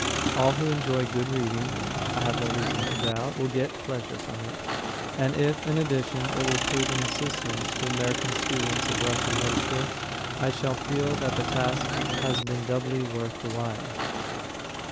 All who enjoy good reading, I have no reason to doubt, will get pleasure from it, and if, in addition, it will prove of assistance to American students of Russian literature, I shall feel that the task has been doubly worth the while.